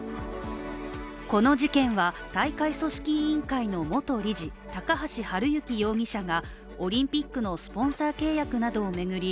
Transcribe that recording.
この事件は、大会組織委員会の元理事、高橋治之容疑者がオリンピックのスポンサー契約などを巡り